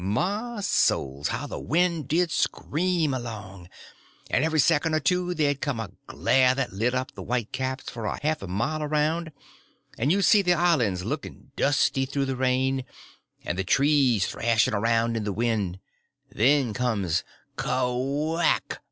My souls, how the wind did scream along! And every second or two there'd come a glare that lit up the white caps for a half a mile around, and you'd see the islands looking dusty through the rain, and the trees thrashing around in the wind; then comes a _h whack!